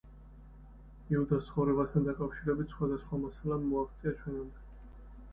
იუდას ცხოვრებასთან დაკავშირებით სხვადასხვა მასალამ მოაღწია ჩვენამდე.